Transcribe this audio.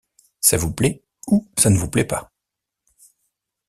Ça vous plaît ou ça ne vous plaît pas.